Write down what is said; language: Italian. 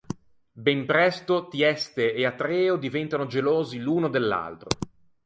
Ben presto Tieste e Atreo diventano gelosi l'uno dell'altro.